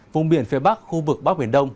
vùng biển phía bắc khu vực bắc biển đông